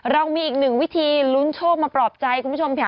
เรามีอีกหนึ่งวิธีลุ้นโชคมาปลอบใจคุณผู้ชมค่ะ